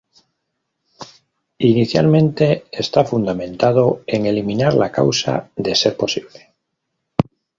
Inicialmente está fundamentado en eliminar la causa, de ser posible.